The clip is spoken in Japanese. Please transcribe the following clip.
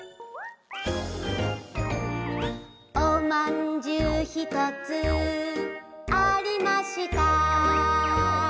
「おまんじゅうひとつありました」